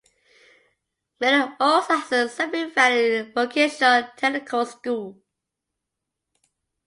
Many also has a Sabine Valley Vocational-Technical School.